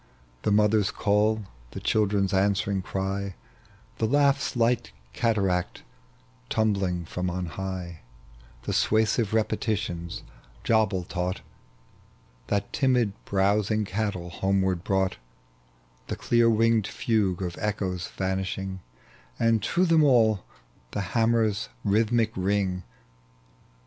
17 The mother's call, the children's answering cry, The langh's light cataract tumbling irom on high ; The susiaive repetitions Jabal tanght, That timid browsing cattle homeward brought : The clear winged fligue of echoes vanishing ; And through them all the hammer's rhythmic ring.